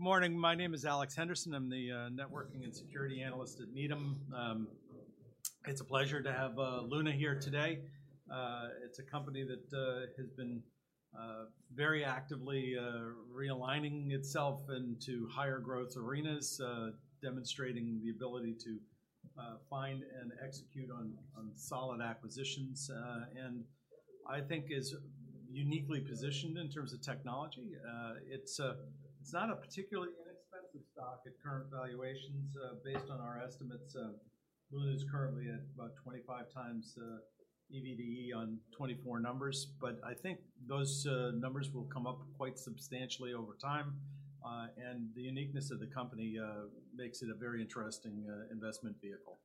Morning, my name is Alex Henderson. I'm the networking and security analyst at Needham. It's a pleasure to have Luna here today. It's a company that has been very actively realigning itself into higher growth arenas, demonstrating the ability to find and execute on solid acquisitions. And I think is uniquely positioned in terms of technology. It's not a particularly inexpensive stock at current valuations. Based on our estimates, Luna is currently at about 25 times EV/EBITDA on 2024 numbers, but I think those numbers will come up quite substantially over time. And the uniqueness of the company makes it a very interesting investment vehicle.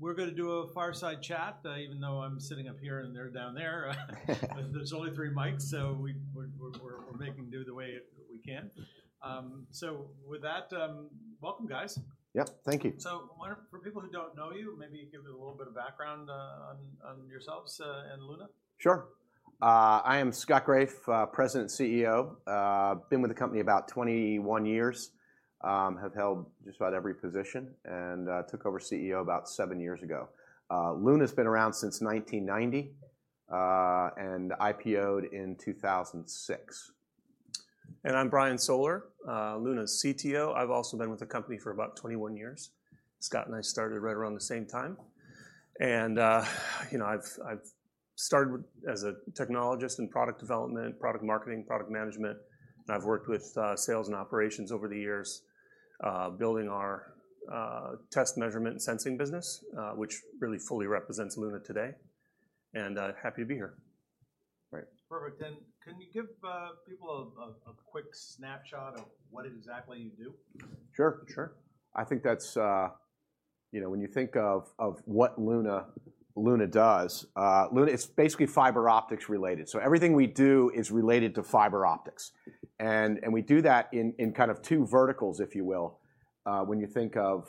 We're gonna do a fireside chat, even though I'm sitting up here and they're down there. But there's only three mics, so we're making do the way we can. So with that, welcome, guys. Yep, thank you. For people who don't know you, maybe give a little bit of background on yourselves and Luna. Sure. I am Scott Graeff, President, CEO. Been with the company about 21 years, have held just about every position, and took over CEO about 7 years ago. Luna's been around since 1990, and IPO'd in 2006. I'm Brian Soller, Luna's CTO. I've also been with the company for about 21 years. Scott and I started right around the same time, and, you know, I've started with as a technologist in product development, product marketing, product management, and I've worked with sales and operations over the years, building our test measurement and sensing business, which really fully represents Luna today, and happy to be here. Great. Perfect. Then, can you give people a quick snapshot of what exactly you do? Sure, sure. I think that's, you know, when you think of, of what Luna, Luna does, Luna, it's basically fiber optics related. So everything we do is related to fiber optics, and, and we do that in, in kind of two verticals, if you will. When you think of,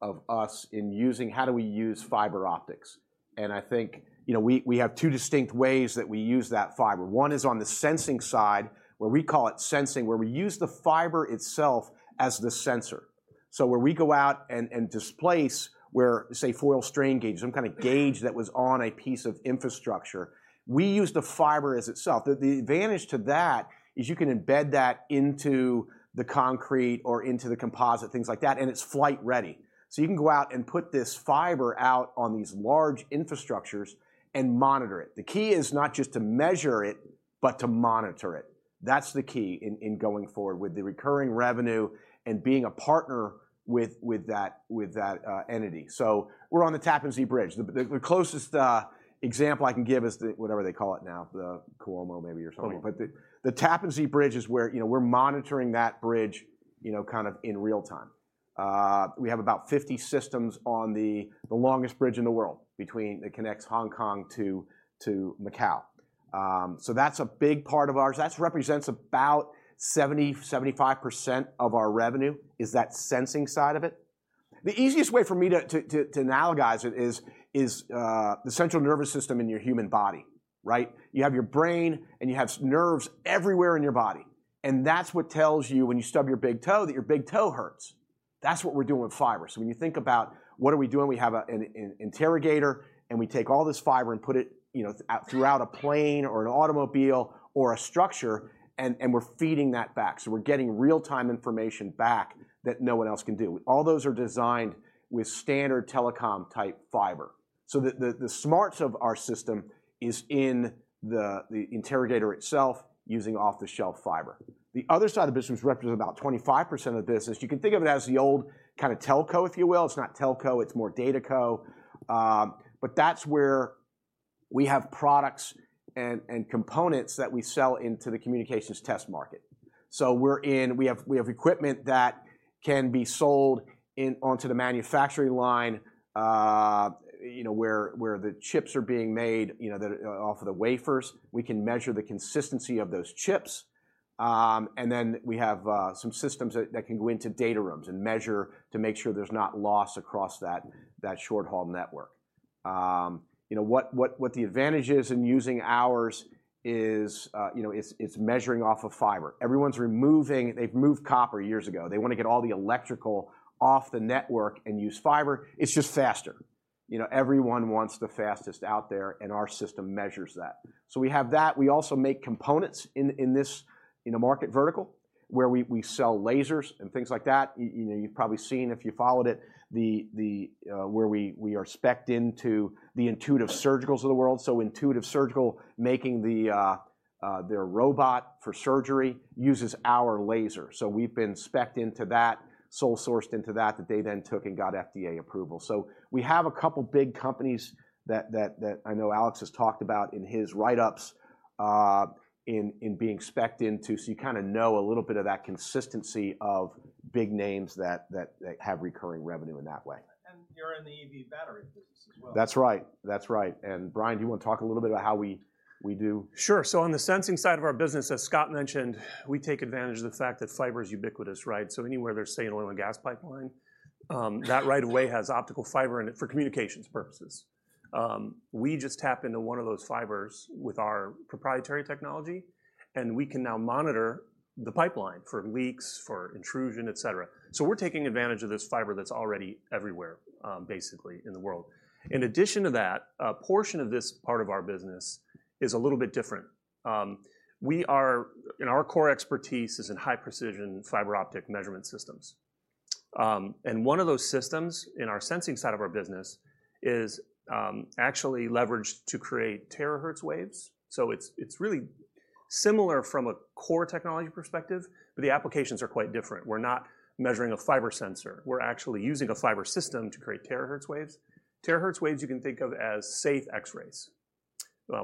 of us in using, how do we use fiber optics? And I think, you know, we, we have two distinct ways that we use that fiber. One is on the sensing side, where we call it sensing, where we use the fiber itself as the sensor. So where we go out and, and displace, where, say, foil strain gauge, some kind of gauge that was on a piece of infrastructure, we use the fiber as itself. The advantage to that is you can embed that into the concrete or into the composite, things like that, and it's flight-ready. So you can go out and put this fiber out on these large infrastructures and monitor it. The key is not just to measure it, but to monitor it. That's the key in going forward with the recurring revenue and being a partner with that entity. So we're on the Tappan Zee Bridge. The closest example I can give is the, whatever they call it now, the Cuomo maybe or something. Cuomo. The Tappan Zee Bridge is where, you know, we're monitoring that bridge, you know, kind of in real time. We have about 50 systems on the longest bridge in the world between that connects Hong Kong to Macau. So that's a big part of ours. That represents about 70%-75% of our revenue, is that sensing side of it. The easiest way for me to analogize it is the central nervous system in your human body, right? You have your brain, and you have nerves everywhere in your body, and that's what tells you when you stub your big toe, that your big toe hurts. That's what we're doing with fiber. So when you think about what are we doing? We have an interrogator, and we take all this fiber and put it, you know, out throughout a plane or an automobile or a structure, and we're feeding that back. So we're getting real-time information back that no one else can do. All those are designed with standard telecom-type fiber. So the smarts of our system is in the interrogator itself, using off-the-shelf fiber. The other side of the business, which represents about 25% of the business, you can think of it as the old kind of telco, if you will. It's not telco, it's more data co. But that's where we have products and components that we sell into the communications test market. We have equipment that can be sold in onto the manufacturing line, you know, where the chips are being made, you know, off of the wafers. We can measure the consistency of those chips, and then we have some systems that can go into data rooms and measure to make sure there's not loss across that short-haul network. You know, what the advantage is in using ours is, you know, it's measuring off of fiber. Everyone's removing. They've removed copper years ago. They want to get all the electrical off the network and use fiber. It's just faster. You know, everyone wants the fastest out there, and our system measures that. So we have that. We also make components in this market vertical, where we sell lasers and things like that. You know, you've probably seen, if you followed it, where we are spec'd into the Intuitive Surgical of the world. Intuitive Surgical, making their robot for surgery, uses our laser. So we've been spec'd into that, sole-sourced into that, that they then took and got FDA approval. So we have a couple big companies that I know Alex has talked about in his write-ups, in being spec'd into. So you kind of know a little bit of that consistency of big names that have recurring revenue in that way. You're in the EV battery business as well? That's right. That's right. And, Brian, do you want to talk a little bit about how we, we do? Sure. On the sensing side of our business, as Scott mentioned, we take advantage of the fact that fiber is ubiquitous, right? So anywhere there's, say, an oil and gas pipeline, that right away has optical fiber in it for communications purposes. We just tap into one of those fibers with our proprietary technology, and we can now monitor the pipeline for leaks, for intrusion, et cetera. We're taking advantage of this fiber that's already everywhere, basically, in the world. In addition to that, a portion of this part of our business is a little bit different. We are, and our core expertise is in high-precision fiber optic measurement systems. And one of those systems, in our sensing side of our business, is actually leveraged to create terahertz waves. It's really similar from a core technology perspective, but the applications are quite different. We're not measuring a fiber sensor. We're actually using a fiber system to create terahertz waves. Terahertz waves you can think of as safe X-rays.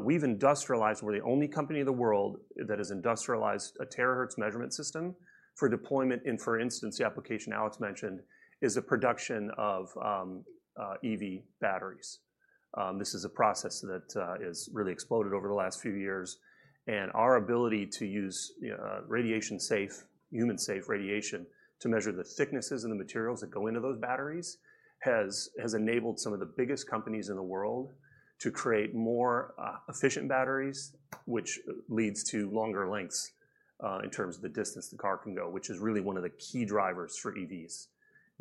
We've industrialized. We're the only company in the world that has industrialized a terahertz measurement system for deployment in, for instance, the application Alex mentioned, is a production of EV batteries. This is a process that has really exploded over the last few years, and our ability to use radiation safe, human safe radiation to measure the thicknesses and the materials that go into those batteries, has, has enabled some of the biggest companies in the world to create more efficient batteries, which leads to longer lengths in terms of the distance the car can go, which is really one of the key drivers for EVs.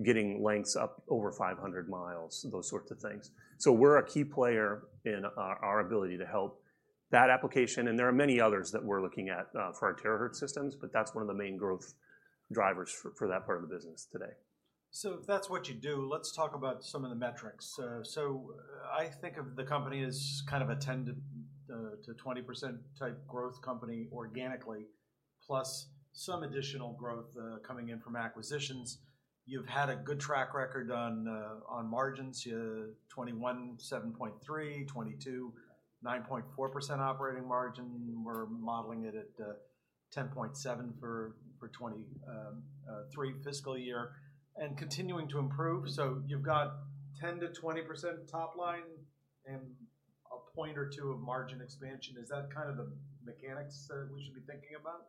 Getting lengths up over 500 miles, those sorts of things. So we're a key player in our ability to help that application, and there are many others that we're looking at for our terahertz systems, but that's one of the main growth drivers for that part of the business today. If that's what you do, let's talk about some of the metrics. I think of the company as kind of a 10%-20% type growth company organically, plus some additional growth coming in from acquisitions. You've had a good track record on margins, 2021, 7.3%, 2022, 9.4% operating margin. We're modeling it at 10.7% for 2023 fiscal year and continuing to improve. You've got 10%-20% top line and a point or two of margin expansion. Is that kind of the mechanics that we should be thinking about?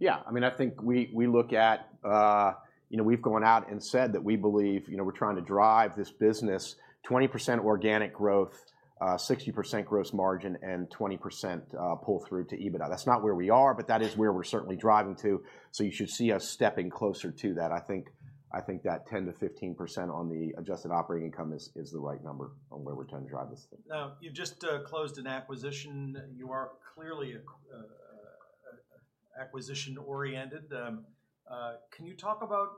Yeah, I mean, I think we look at. You know, we've gone out and said that we believe, you know, we're trying to drive this business 20% organic growth, 60% gross margin, and 20% pull through to EBITDA. That's not where we are, but that is where we're certainly driving to, so you should see us stepping closer to that. I think that 10%-15% on the adjusted operating income is the right number on where we're trying to drive this thing. Now, you've just closed an acquisition. You are clearly acquisition oriented. Can you talk about,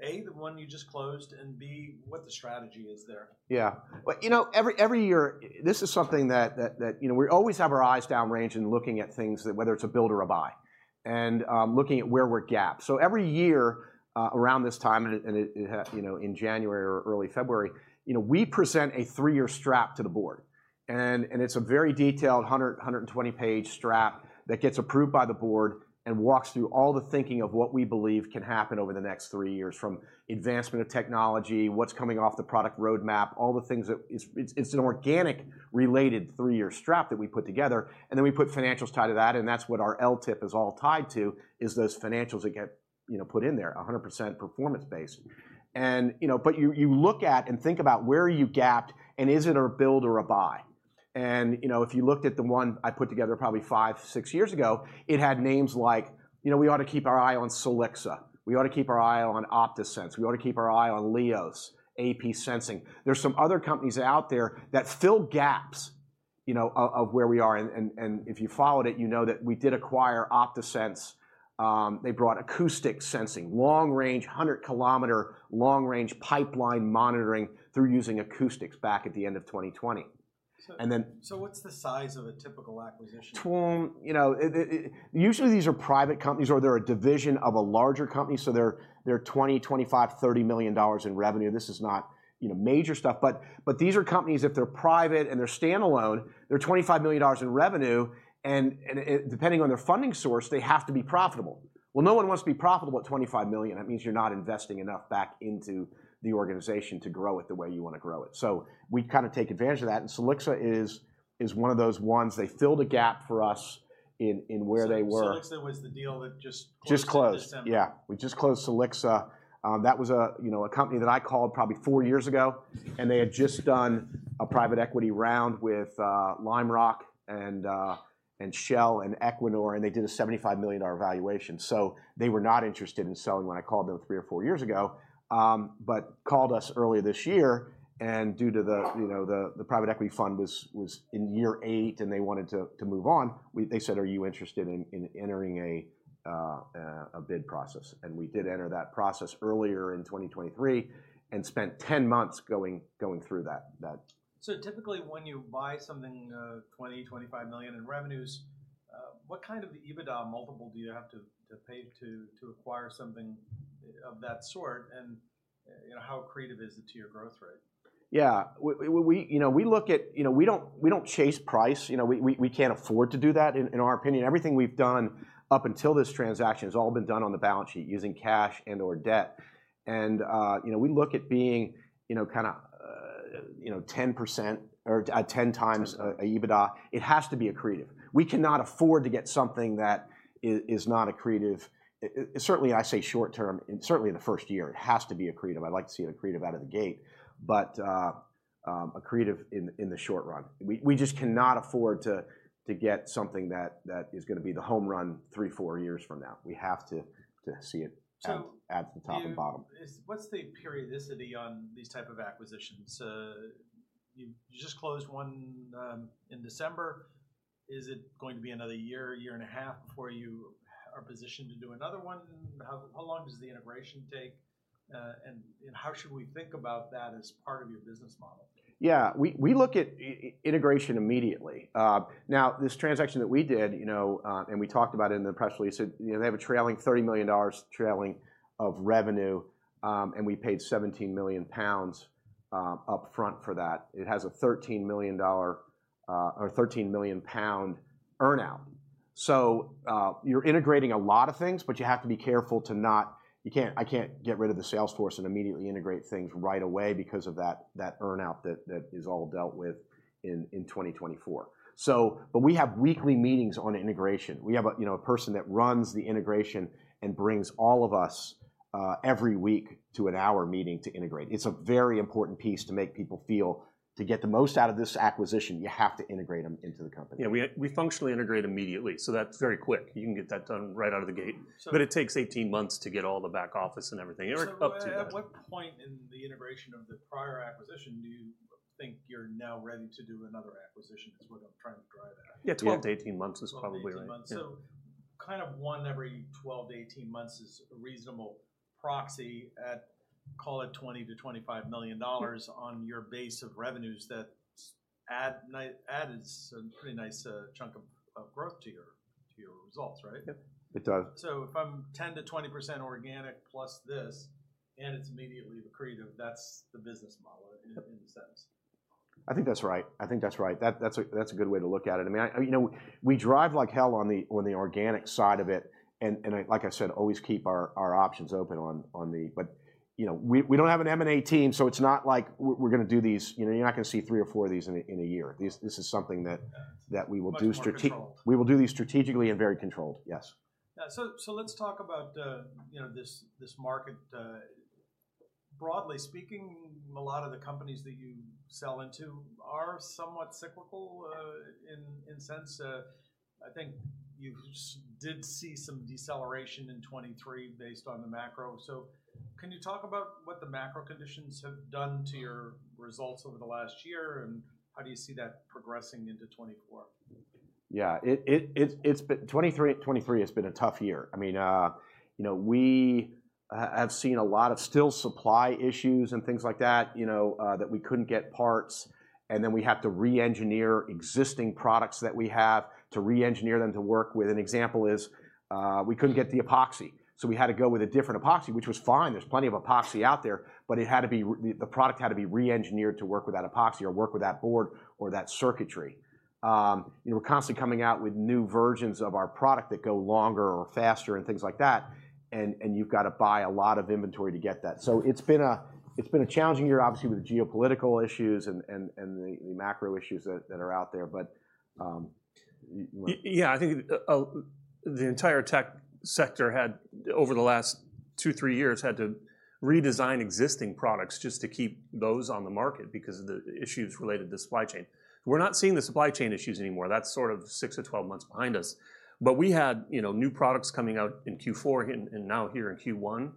A, the one you just closed, and B, what the strategy is there? Yeah. Well, you know, every year, this is something that you know, we always have our eyes downrange and looking at things, whether it's a build or a buy, and looking at where we're gapped. So every year, around this time, and you know, in January or early February, you know, we present a three-year strategic plan to the board. And it's a very detailed 120-page strategic plan that gets approved by the board and walks through all the thinking of what we believe can happen over the next three years, from advancement of technology, what's coming off the product roadmap, all the things that... It's an organic-related three-year strategic plan that we put together, and then we put financials tied to that, and that's what our LTIP is all tied to, is those financials that get, you know, put in there, 100% performance-based. You know, but you look at and think about where are you gapped and is it a build or a buy? You know, if you looked at the one I put together probably five, six years ago, it had names like, you know, we ought to keep our eye on Silixa, we ought to keep our eye on OptaSense, we ought to keep our eye on LIOS, AP Sensing. There's some other companies out there that fill gaps, you know, of where we are, and if you followed it, you know that we did acquire OptaSense. They brought acoustic sensing, long-range, 100-kilometer, long-range pipeline monitoring through using acoustics back at the end of 2020. And then- What's the size of a typical acquisition? You know, usually, these are private companies, or they're a division of a larger company, so they're $20-$25-$30 million in revenue. This is not, you know, major stuff, but these are companies, if they're private, and they're standalone, they're $25 million in revenue, and depending on their funding source, they have to be profitable. Well, no one wants to be profitable at $25 million. That means you're not investing enough back into the organization to grow it the way you want to grow it. So we kind of take advantage of that, and Silixa is one of those ones. They filled a gap for us in where they were. So Silixa was the deal that just closed- Just closed -this December. Yeah, we just closed Silixa. That was a, you know, a company that I called probably four years ago, and they had just done a private equity round with Lime Rock and Shell and Equinor, and they did a $75 million valuation. So they were not interested in selling when I called them three or four years ago, but called us earlier this year, and due to the, you know, the private equity fund was in year eight, and they wanted to move on. They said, "Are you interested in entering a bid process?" And we did enter that process earlier in 2023 and spent 10 months going through that. Typically, when you buy something, $20 million-$25 million in revenues, what kind of EBITDA multiple do you have to pay to acquire something of that sort? And, you know, how accretive is it to your growth rate? Yeah. We, you know, we look at... You know, we don't, we don't chase price. We, we, we can't afford to do that in, in our opinion. Everything we've done up until this transaction has all been done on the balance sheet using cash and/or debt. And, you know, we look at being, you know, kinda, you know, 10% or at 10 times- Ten times EBITDA. It has to be accretive. We cannot afford to get something that is not accretive. Certainly, I say short term, and certainly in the first year, it has to be accretive. I'd like to see it accretive out of the gate, but accretive in the short run. We just cannot afford to get something that is gonna be the home run three, four years from now. We have to see it- So- at the top and bottom. What's the periodicity on these type of acquisitions? You just closed one in December. Is it going to be another year, year and a half before you are positioned to do another one? How long does the integration take, and how should we think about that as part of your business model? Yeah, we look at integration immediately. Now, this transaction that we did, you know, and we talked about it in the press release, you know, they have a trailing $30 million of revenue, and we paid 17 million pounds upfront for that. It has a $13 million or 13 million pound earn-out. So, you're integrating a lot of things, but you have to be careful to not. You can't. I can't get rid of the sales force and immediately integrate things right away because of that earn-out that is all dealt with in 2024. So but we have weekly meetings on integration. We have, you know, a person that runs the integration and brings all of us every week to an hour meeting to integrate. It's a very important piece to make people feel... To get the most out of this acquisition, you have to integrate them into the company. Yeah, we functionally integrate immediately, so that's very quick. You can get that done right out of the gate. So- But it takes 18 months to get all the back office and everything. Eric, up to you. At what point in the integration of the prior acquisition do you think you're now ready to do another acquisition, is what I'm trying to drive at? Yeah, 12-18 months is probably right. Twelve- 12-18 months. Yeah. Kind of one every 12-18 months is a reasonable proxy at, call it $20 million-$25 million- Yeah on your base of revenues, that adds a pretty nice chunk of growth to your results, right? Yep. It does. So if I'm 10%-20% organic plus this, and it's immediately accretive, that's the business model in a sense? I think that's right. I think that's right. That's a good way to look at it. I mean, you know, we drive like hell on the organic side of it, and like I said, always keep our options open on the... But, you know, we don't have an M&A team, so it's not like we're gonna do these... You know, you're not gonna see three or four of these in a year. These, this is something that- Yeah that we will do strate Much more controlled. We will do these strategically and very controlled. Yes. Yeah, so let's talk about, you know, this market, broadly speaking, a lot of the companies that you sell into are somewhat cyclical, in a sense, I think you did see some deceleration in 2023 based on the macro. So can you talk about what the macro conditions have done to your results over the last year, and how do you see that progressing into 2024? Yeah, it's been... 2023, 2023 has been a tough year. I mean, you know, we have seen a lot of still supply issues and things like that, you know, that we couldn't get parts, and then we have to re-engineer existing products to work with. An example is, we couldn't get the epoxy, so we had to go with a different epoxy, which was fine. There's plenty of epoxy out there, but it had to be – the product had to be re-engineered to work with that epoxy or work with that board or that circuitry. We're constantly coming out with new versions of our product that go longer or faster and things like that, and you've got to buy a lot of inventory to get that. So it's been a challenging year, obviously, with geopolitical issues and the macro issues that are out there. But, y- Yeah, I think the entire tech sector had, over the last 2-3 years, had to redesign existing products just to keep those on the market because of the issues related to supply chain. We're not seeing the supply chain issues anymore. That's sort of 6-12 months behind us. But we had, you know, new products coming out in Q4 and now here in Q1,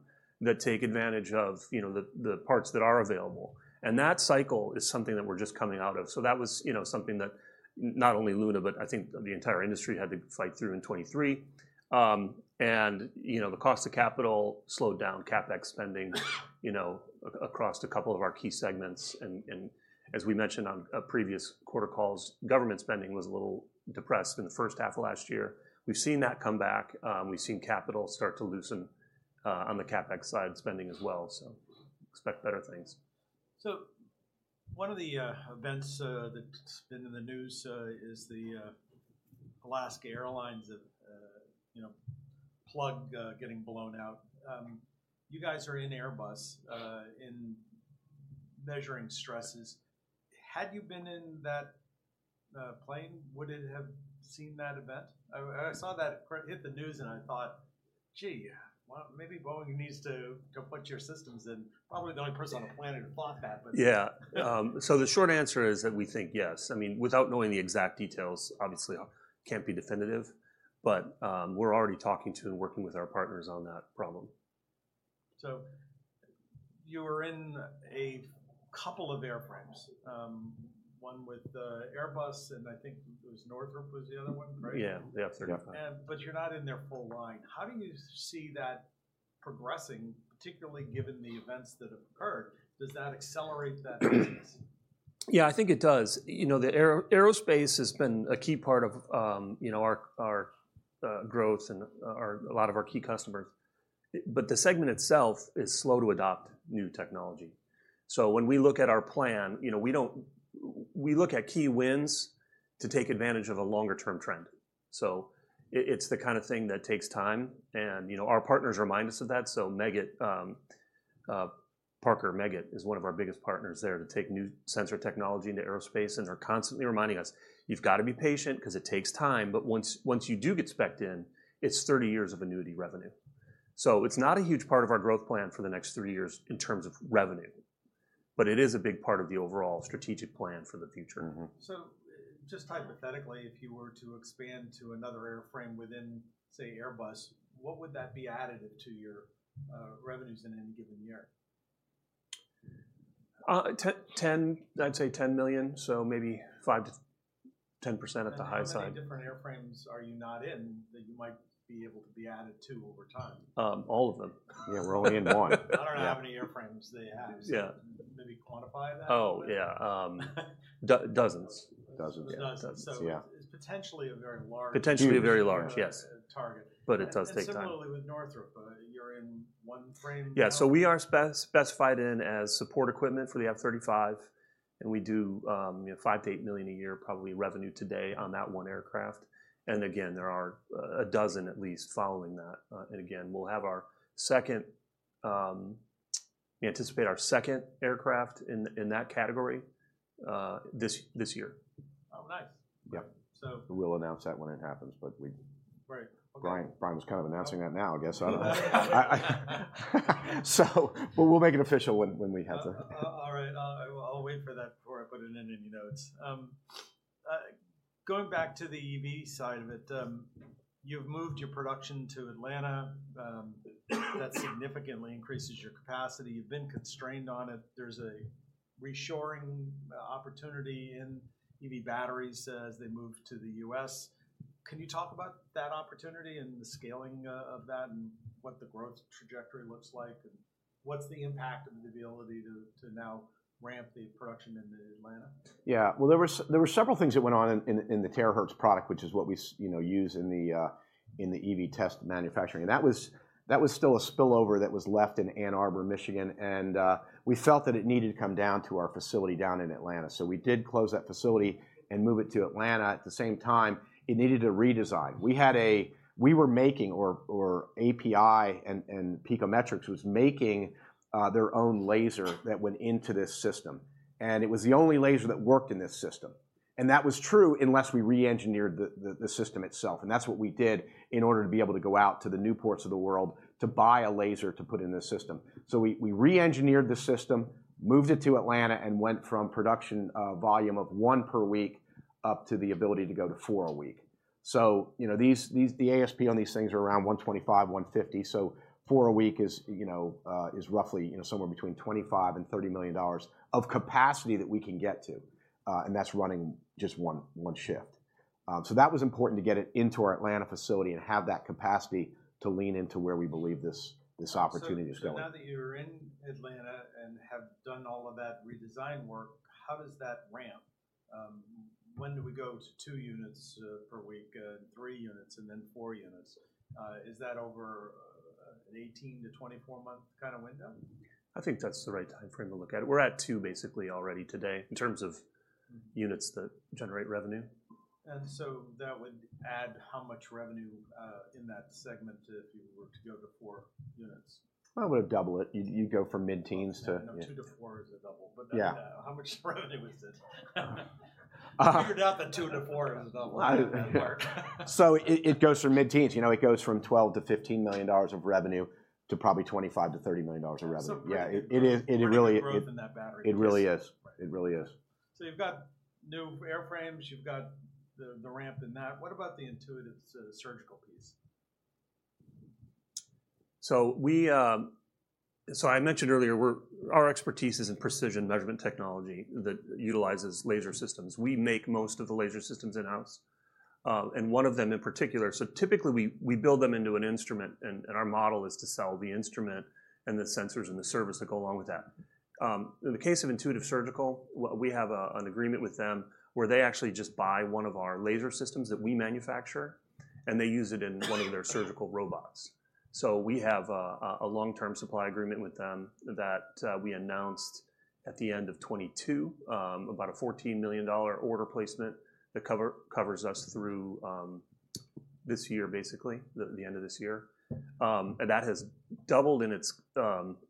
that take advantage of, you know, the parts that are available, and that cycle is something that we're just coming out of. So that was, you know, something that not only Luna, but I think the entire industry had to fight through in 2023. You know, the cost of capital slowed down CapEx spending, you know, across a couple of our key segments, and as we mentioned on previous quarter calls, government spending was a little depressed in the first half of last year. We've seen that come back. We've seen capital start to loosen on the CapEx side spending as well, so expect better things. One of the events that's been in the news is the Alaska Airlines that you know plug getting blown out. You guys are in Airbus in measuring stresses. Had you been in that plane, would it have seen that event? I saw that hit the news, and I thought, "Gee, well, maybe Boeing needs to go put your systems in." Probably the only person on the planet to plot that, but- Yeah. So the short answer is that we think yes. I mean, without knowing the exact details, obviously can't be definitive, but, we're already talking to and working with our partners on that problem. You were in a couple of airframes, one with Airbus, and I think it was Northrop was the other one, right? Yeah. Yep, definitely. You're not in their full line. How do you see that progressing, particularly given the events that have occurred? Does that accelerate that business? Yeah, I think it does. You know, the aerospace has been a key part of, you know, our growth and, our, a lot of our key customers. But the segment itself is slow to adopt new technology. So when we look at our plan, you know, we look at key wins to take advantage of a longer-term trend. So it, it's the kind of thing that takes time, and, you know, our partners remind us of that. Meggitt, Parker Meggitt is one of our biggest partners there to take new sensor technology into aerospace, and they're constantly reminding us, "You've got to be patient because it takes time, but once you do get spec'd in, it's 30 years of annuity revenue." So it's not a huge part of our growth plan for the next 3 years in terms of revenue, but it is a big part of the overall strategic plan for the future. Mm-hmm. Just hypothetically, if you were to expand to another airframe within, say, Airbus, what would that be additive to your revenues in any given year?... ten, I'd say $10 million, so maybe 5%-10% at the high side. How many different airframes are you not in, that you might be able to be added to over time? All of them. Yeah, we're only in one. I don't know how many airframes they have. Yeah. Maybe quantify that? Oh, yeah. Dozens. Dozens. Dozens. Yeah. It's potentially a very large- Potentially very large, yes- -uh, target. It does take time. Similarly, with Northrop, you're in one frame? Yeah. So we are spec-specified in as support equipment for the F-35, and we do, you know, $5 million-$8 million a year, probably revenue today on that one aircraft. And again, there are, 12 at least following that. And again, we'll have our second... We anticipate our second aircraft in that category, this year. Oh, nice! Yep. So- We'll announce that when it happens, but we- Right. Okay. Brian was kind of announcing that now, I guess. I don't know. So, but we'll make it official when we have the- All right. I'll wait for that before I put it in any notes. Going back to the EV side of it, you've moved your production to Atlanta. That significantly increases your capacity. You've been constrained on it. There's a reshoring opportunity in EV batteries as they move to the U.S. Can you talk about that opportunity and the scaling of that, and what the growth trajectory looks like? And what's the impact of the ability to now ramp the production into Atlanta? Yeah. Well, there were several things that went on in the Terahertz product, which is what we use, you know, in the EV test manufacturing. That was still a spillover that was left in Ann Arbor, Michigan, and we felt that it needed to come down to our facility down in Atlanta. So we did close that facility and move it to Atlanta. At the same time, it needed a redesign. We were making, or API and Picometrix was making their own laser that went into this system, and it was the only laser that worked in this system. That was true unless we re-engineered the system itself, and that's what we did in order to be able to go out to the Newports of the world to buy a laser to put in this system. So we re-engineered the system, moved it to Atlanta, and went from production volume of 1 per week up to the ability to go to 4 a week. So, you know, these. The ASP on these things are around $125, $150, so 4 a week is, you know, roughly, you know, somewhere between $25 million and $30 million of capacity that we can get to. And that's running just 1 shift. So that was important to get it into our Atlanta facility and have that capacity to lean into where we believe this opportunity is going. Now that you're in Atlanta and have done all of that redesign work, how does that ramp? When do we go to 2 units per week, and 3 units, and then 4 units? Is that over an 18-24-month kind of window? I think that's the right timeframe to look at it. We're at two basically already today, in terms of units that generate revenue. That would add how much revenue in that segment if you were to go to 4 units? Well, it would double it. You'd go from mid-teens to, you know- 2-4 is a double. Yeah. How much revenue is it? Uh- Figured out that 2-4 is a double. It goes from mid-teens, you know, it goes from $12 million-$15 million of revenue, to probably $25 million-$30 million of revenue. That's pretty good- Yeah, it is. It really- growth in that battery. It really is. Right. It really is. You've got new airframes, you've got the ramp in that. What about the Intuitive Surgical piece? I mentioned earlier, we're our expertise is in precision measurement technology that utilizes laser systems. We make most of the laser systems in-house, and one of them in particular. So typically, we build them into an instrument, and our model is to sell the instrument and the sensors and the service that go along with that. In the case of Intuitive Surgical, we have an agreement with them where they actually just buy one of our laser systems that we manufacture, and they use it in one of their surgical robots. So we have a long-term supply agreement with them that we announced at the end of 2022, about a $14 million order placement that covers us through this year, basically, the end of this year. That has doubled in its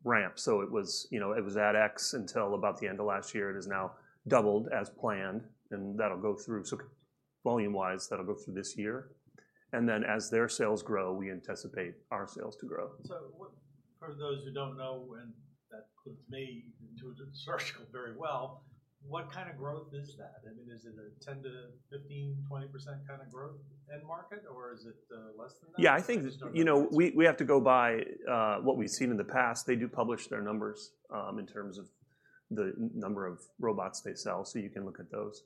ramp. It was, you know, it was at X until about the end of last year. It has now doubled as planned, and that'll go through... So volume-wise, that'll go through this year. And then, as their sales grow, we anticipate our sales to grow. What, for those who don't know, and that includes me, Intuitive Surgical very well, what kind of growth is that? I mean, is it a 10-15, 20% kind of growth end market, or is it less than that? Yeah, I think- Just wondering. You know, we have to go by what we've seen in the past. They do publish their numbers in terms of the number of robots they sell, so you can look at those.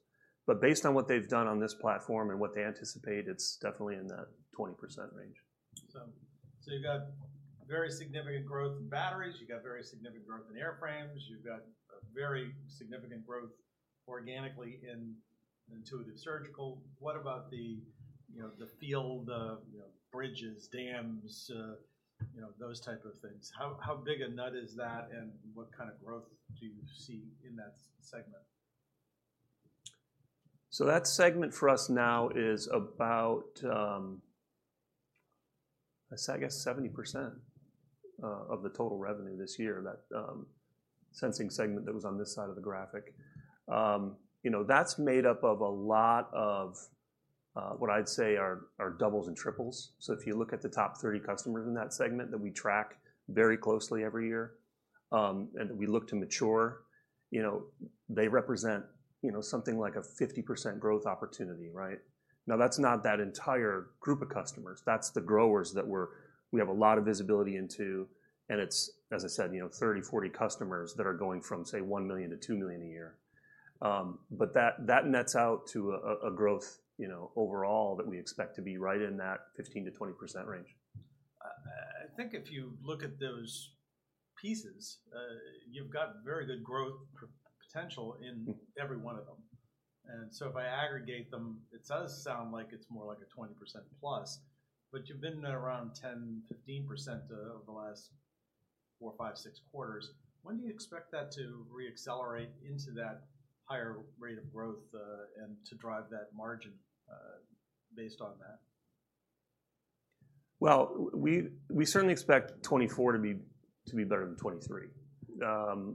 But based on what they've done on this platform and what they anticipate, it's definitely in that 20% range. You've got very significant growth in batteries, you've got very significant growth in airframes, you've got a very significant growth organically in Intuitive Surgical. What about the, you know, the field, the, you know, bridges, dams, you know, those type of things? How big a nut is that, and what kind of growth do you see in that segment? That segment for us now is about, I guess, 70% of the total revenue this year, that sensing segment that was on this side of the graphic. You know, that's made up of a lot of what I'd say are doubles and triples. So if you look at the top 30 customers in that segment that we track very closely every year, and that we look to mature, you know, they represent, you know, something like a 50% growth opportunity, right? Now, that's not that entire group of customers. That's the growers that we have a lot of visibility into, and it's, as I said, you know, 30, 40 customers that are going from, say, $1 million-$2 million a year. but that nets out to a growth, you know, overall that we expect to be right in that 15%-20% range. I think if you look at those pieces, you've got very good growth potential in- Mm Every one of them. And so if I aggregate them, it does sound like it's more like a 20%+, but you've been around 10%, 15%, over the last 4, 5, 6 quarters. When do you expect that to re-accelerate into that higher rate of growth, and to drive that margin, based on that? Well, we certainly expect 2024 to be better than 2023.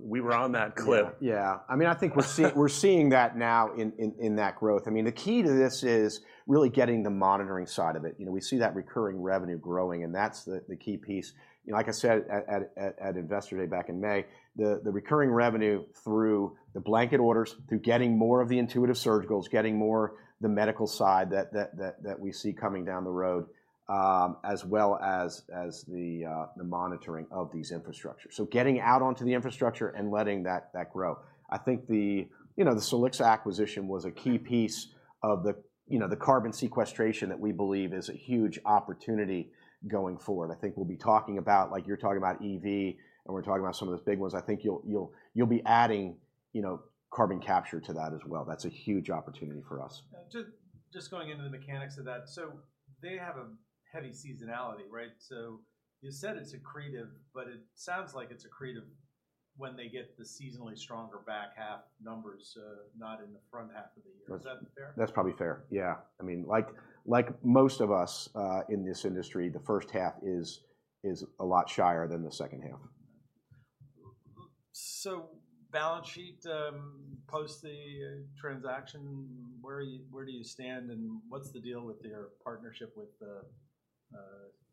We were on that clip. Yeah, yeah. I mean, I think we're seeing that now in that growth. I mean, the key to this is really getting the monitoring side of it. You know, we see that recurring revenue growing, and that's the key piece. You know, like I said at Investor Day back in May, the recurring revenue through the blanket orders, through getting more of the Intuitive Surgicals, getting more the medical side that we see coming down the road, as well as the monitoring of these infrastructures. So getting out onto the infrastructure and letting that grow. I think, you know, the Silixa acquisition was a key piece of the carbon sequestration that we believe is a huge opportunity going forward. I think we'll be talking about, like you're talking about EV, and we're talking about some of those big ones. I think you'll be adding, you know, carbon capture to that as well. That's a huge opportunity for us. Just going into the mechanics of that. So they have a heavy seasonality, right? So you said it's accretive, but it sounds like it's accretive when they get the seasonally stronger back half numbers, not in the front half of the year. Is that fair? That's probably fair, yeah. I mean, like most of us in this industry, the first half is a lot shyer than the second half. So balance sheet, post the transaction, where do you stand, and what's the deal with your partnership with the,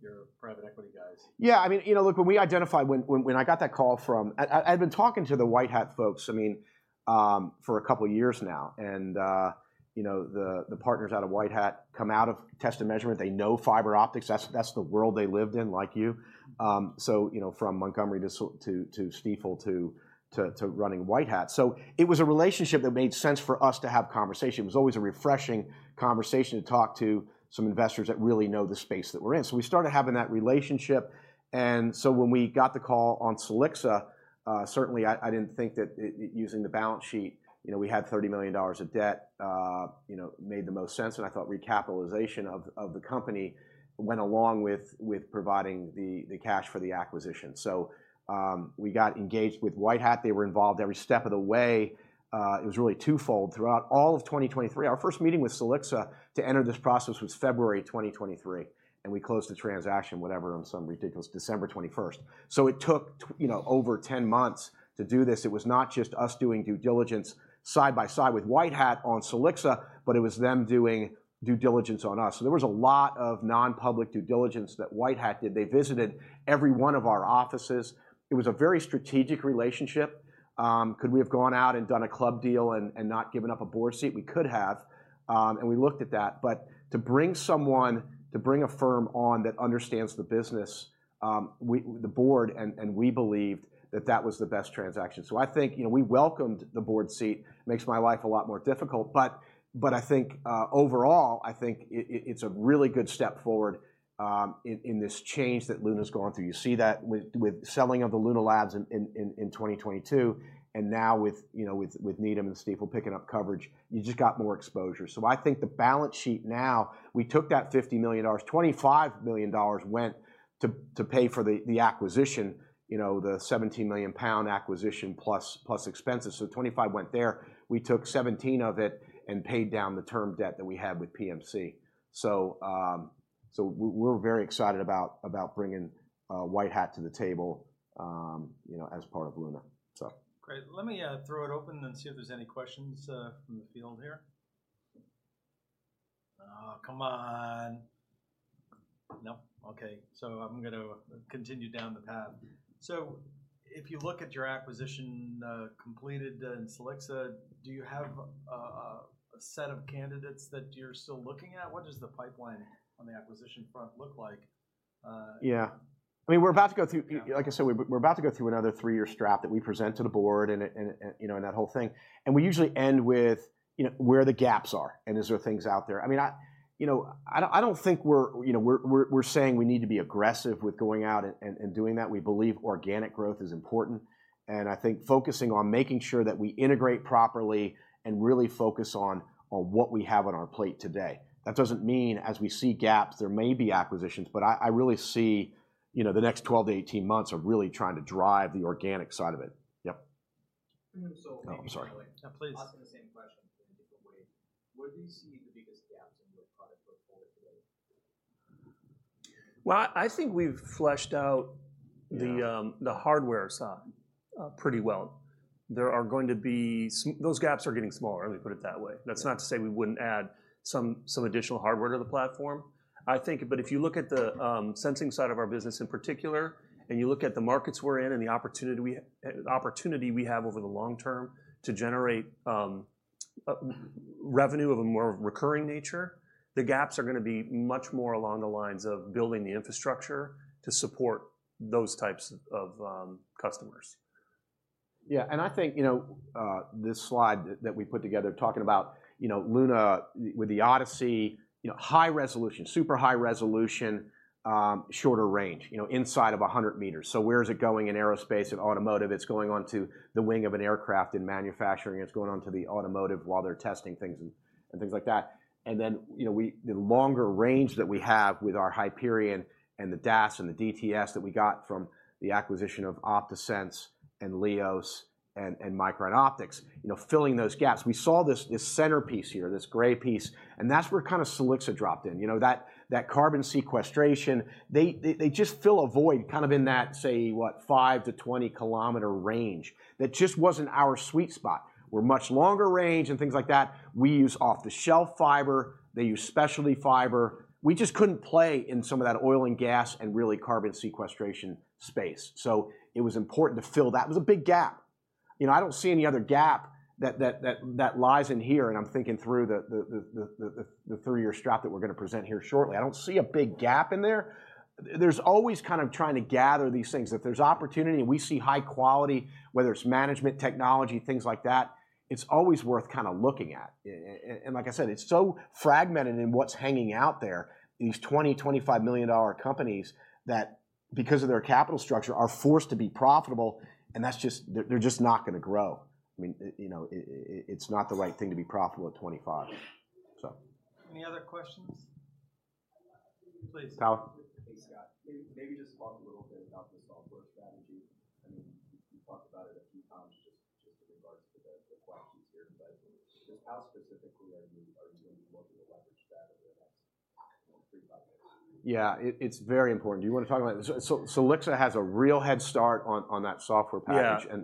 your private equity guys? Yeah, I mean, you know, look, when we identified... when I got that call from. I've been talking to the White Hat folks, I mean, for a couple of years now, and, you know, the partners out of White Hat come out of test and measurement. They know fiber optics. That's the world they lived in, like you. So, you know, from Montgomery to S- to Stifel to running White Hat. So it was a relationship that made sense for us to have conversation. It was always a refreshing conversation to talk to some investors that really know the space that we're in. We started having that relationship, and so when we got the call on Silixa, certainly, I didn't think that using the balance sheet, you know, we had $30 million of debt, you know, made the most sense, and I thought recapitalization of the company went along with providing the cash for the acquisition. So, we got engaged with White Hat. They were involved every step of the way. It was really twofold. Throughout all of 2023, our first meeting with Silixa to enter this process was February 2023, and we closed the transaction whatever, on some ridiculous December 21st. So it took you know, over 10 months to do this. It was not just us doing due diligence side by side with White Hat on Silixa, but it was them doing due diligence on us. There was a lot of non-public due diligence that White Hat did. They visited every one of our offices. It was a very strategic relationship. Could we have gone out and done a club deal and not given up a board seat? We could have, and we looked at that, but to bring someone, to bring a firm on that understands the business, the board and we believed that that was the best transaction. So I think, you know, we welcomed the board seat. Makes my life a lot more difficult, but I think overall, I think it’s a really good step forward, in this change that Luna’s going through. You see that with selling of the Luna Labs in 2022, and now with, you know, with Needham and Stifel picking up coverage, you just got more exposure. So I think the balance sheet now, we took that $50 million, $25 million went to pay for the acquisition, you know, the £17 million acquisition plus expenses, so $25 million went there. We took $17 million of it and paid down the term debt that we had with PNC. So, so we're very excited about bringing White Hat to the table, you know, as part of Luna. So... Great. Let me throw it open and see if there's any questions from the field here. Come on. No? Okay. So I'm gonna continue down the path. So if you look at your acquisition completed in Silixa, do you have a set of candidates that you're still looking at? What does the pipeline on the acquisition front look like? Yeah. I mean, we're about to go through- Yeah. Like I said, we're about to go through another three-year strategic plan that we present to the board and, you know, and that whole thing, and we usually end with, you know, where the gaps are, and is there things out there? I mean, you know, I don't think we're... you know, we're saying we need to be aggressive with going out and doing that. We believe organic growth is important, and I think focusing on making sure that we integrate properly and really focus on what we have on our plate today. That doesn't mean as we see gaps, there may be acquisitions, but I really see, you know, the next 12-18 months of really trying to drive the organic side of it. Yep. So- Oh, I'm sorry. No, please. Asking the same queston in a different way: Where do you see the biggest gaps in your product portfolio today? Well, I think we've fleshed out the, Yeah... the hardware side pretty well. There are going to be those gaps are getting smaller, let me put it that way. That's not to say we wouldn't add some, some additional hardware to the platform, I think. But if you look at the sensing side of our business in particular, and you look at the markets we're in and the opportunity we the opportunity we have over the long term to generate revenue of a more recurring nature, the gaps are gonna be much more along the lines of building the infrastructure to support those types of, of customers. Yeah, and I think, you know, this slide that we put together talking about, you know, Luna with the ODiSI, you know, high resolution, super high resolution, shorter range, you know, inside of 100 meters. So where is it going in aerospace and automotive? It's going onto the wing of an aircraft. In manufacturing, it's going onto the automotive while they're testing things and things like that. And then, you know, we, the longer range that we have with our Hyperion and the DAS and the DTS that we got from the acquisition of OptaSense and LIOS and Micron Optics, you know, filling those gaps. We saw this centerpiece here, this gray piece, and that's where kind of Silixa dropped in. You know, that carbon sequestration, they just fill a void kind of in that, say, what, 5-20-kilometer range, that just wasn't our sweet spot. We're much longer range and things like that. We use off-the-shelf fiber. They use specialty fiber. We just couldn't play in some of that oil and gas and really carbon sequestration space. So it was important to fill. That was a big gap. You know, I don't see any other gap that lies in here, and I'm thinking through the three-year strat that we're gonna present here shortly. I don't see a big gap in there. There's always kind of trying to gather these things. If there's opportunity, and we see high quality, whether it's management, technology, things like that, it's always worth kinda looking at. And like I said, it's so fragmented in what's hanging out there, these $20-$25 million companies that, because of their capital structure, are forced to be profitable, and that's just... They're just not gonna grow. I mean, you know, it's not the right thing to be profitable at $25 million, so. Any other questions? Please, Tyler. Hey, Scott. Maybe just talk a little bit about the software strategy. I mean, you talked about it a few times just in regards to the questions here, but just how specifically are you going to be looking to leverage that over the next, you know, three to five years? Yeah, it's very important. Do you wanna talk about it? So Silixa has a real head start on that software package- Yeah.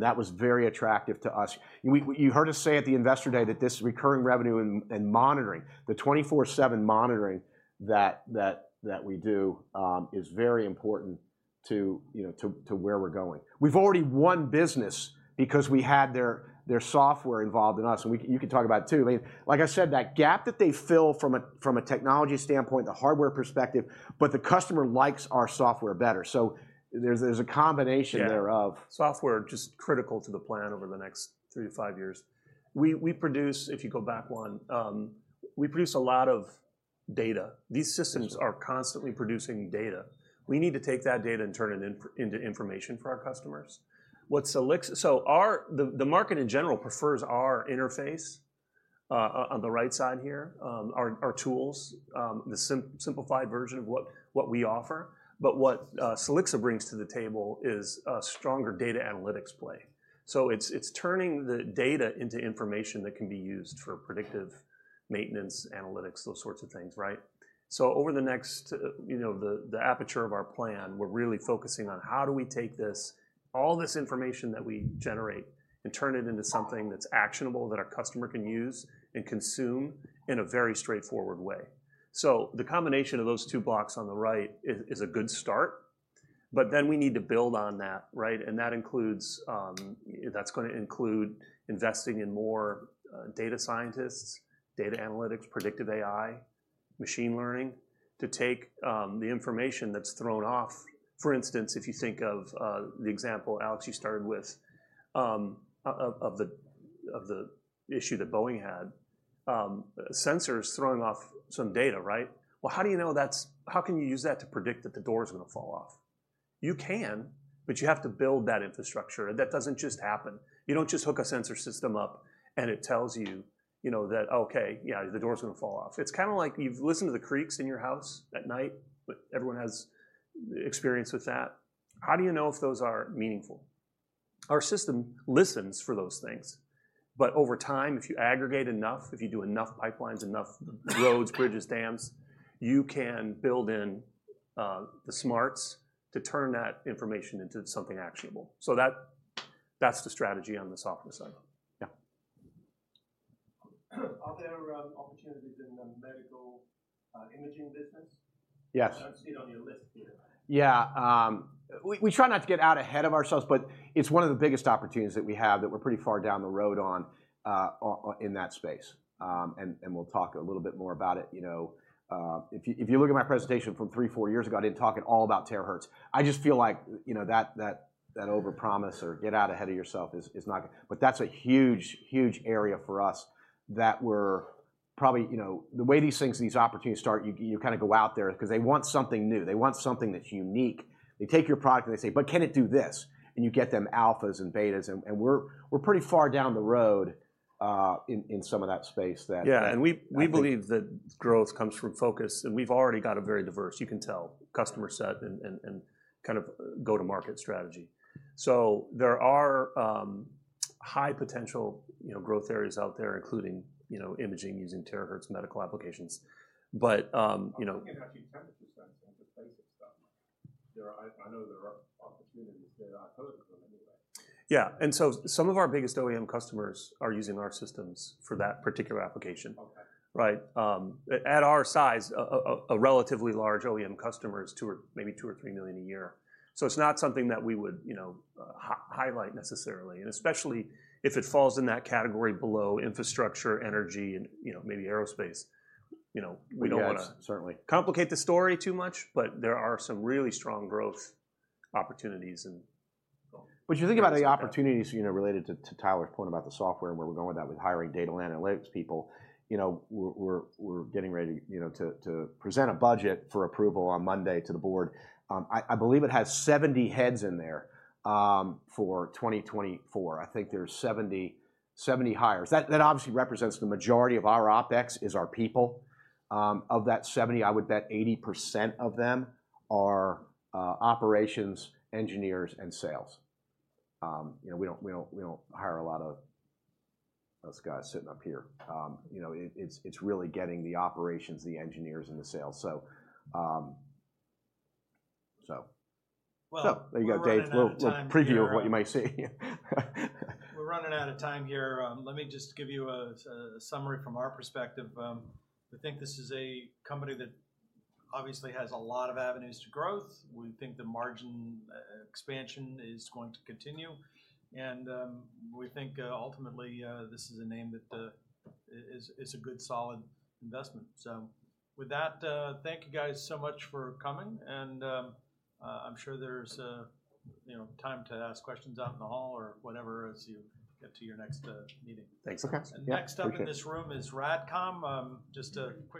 That was very attractive to us. You heard us say at the Investor Day that this recurring revenue and monitoring, the 24/7 monitoring that we do, is very important to, you know, to where we're going. We've already won business because we had their software involved in us, and you can talk about it, too. I mean, like I said, that gap that they fill from a technology standpoint, the hardware perspective, but the customer likes our software better. So there's a combination thereof. Yeah. Software, just critical to the plan over the next 3-5 years. We produce. If you go back one, we produce a lot of data. These systems are constantly producing data. We need to take that data and turn it into information for our customers. What Silixa. So our. The market, in general, prefers our interface on the right side here, our tools, the simplified version of what we offer, but what Silixa brings to the table is a stronger data analytics play. So it's turning the data into information that can be used for predictive maintenance, analytics, those sorts of things, right? Over the next, you know, the, the aperture of our plan, we're really focusing on how do we take this, all this information that we generate, and turn it into something that's actionable, that our customer can use and consume in a very straightforward way. So the combination of those two blocks on the right is, is a good start, but then we need to build on that, right? And that includes, that's gonna include investing in more, data scientists, data analytics, predictive AI, machine learning, to take, the information that's thrown off. For instance, if you think of, the example, Alex, you started with, of the, of the issue that Boeing had, sensors throwing off some data, right? Well, how do you know that's-- How can you use that to predict that the door is gonna fall off? You can, but you have to build that infrastructure, and that doesn't just happen. You don't just hook a sensor system up, and it tells you, you know, that, "Okay, yeah, the door's gonna fall off." It's kind of like you've listened to the creaks in your house at night, but everyone has experience with that. How do you know if those are meaningful? Our system listens for those things, but over time, if you aggregate enough, if you do enough pipelines, enough roads, bridges, dams, you can build in, the smarts to turn that information into something actionable. So that, that's the strategy on the software side. Yeah. Are there opportunities in the medical imaging business? Yes. I don't see it on your list here. Yeah, we try not to get out ahead of ourselves, but it's one of the biggest opportunities that we have that we're pretty far down the road on in that space. And we'll talk a little bit more about it, you know. If you look at my presentation from 3-4 years ago, I didn't talk at all about terahertz. I just feel like, you know, that overpromise or get out ahead of yourself is not gonna-- But that's a huge, huge area for us that we're probably. You know, the way these things, these opportunities start, you kind of go out there because they want something new. They want something that's unique. They take your product, and they say, "But can it do this?" And you get them alphas and betas, and we're pretty far down the road in some of that space that- Yeah, and we- I think-... we believe that growth comes from focus, and we've already got a very diverse, you can tell, customer set and kind of go-to-market strategy. So there are high potential, you know, growth areas out there, including, you know, imaging using terahertz medical applications. But, you know- I'm thinking actually temperature sensing, the basic stuff. There are. I know there are opportunities there. I heard of them anyway. Yeah, and so some of our biggest OEM customers are using our systems for that particular application. Okay. Right? At our size, a relatively large OEM customer is $2 million or maybe $2-$3 million a year. So it's not something that we would, you know, highlight necessarily, and especially if it falls in that category below infrastructure, energy, and, you know, maybe aerospace. You know, we don't wanna- Yes, certainly ...complicate the story too much, but there are some really strong growth opportunities, and- You think about the opportunities, you know, related to Tyler's point about the software and where we're going with that, with hiring data and analytics people. You know, we're getting ready, you know, to present a budget for approval on Monday to the board. I believe it has 70 heads in there, for 2024. I think there's 70 hires. That obviously represents the majority of our OpEx is our people. Of that 70, I would bet 80% of them are operations, engineers, and sales. You know, we don't hire a lot of us guys sitting up here. You know, it's really getting the operations, the engineers, and the sales. So, Well- There you go, Dave- We're running out of time here.... a preview of what you might see. We're running out of time here. Let me just give you a summary from our perspective. We think this is a company that obviously has a lot of avenues to growth. We think the margin expansion is going to continue, and we think ultimately this is a name that is a good, solid investment. So with that, thank you, guys, so much for coming, and I'm sure there's you know, time to ask questions out in the hall or whatever as you get to your next meeting. Thanks. Okay. Yeah, thank you. Next up in this room is Radcom. Just a quick-